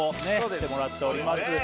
してもらっております